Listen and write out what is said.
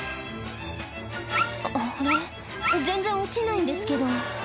「ああれ？全然落ちないんですけど」